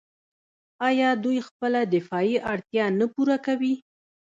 آیا دوی خپله دفاعي اړتیا نه پوره کوي؟